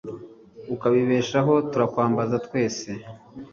ukabibeshaho, turakwambaza twese